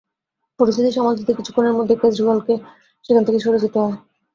পরিস্থিতি সামাল দিতে কিছুক্ষণের মধ্যে কেজরিওয়ালকে সেখান থেকে সরে যেতে হয়।